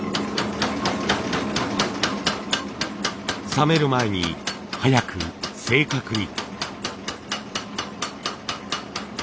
冷める前に速く正確に。